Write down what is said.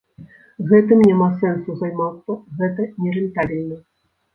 Гэтым няма сэнсу займацца, гэта нерэнтабельна.